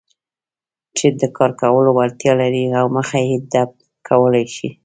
چې د کار کولو وړتیا لري او مخه يې ډب کولای شي.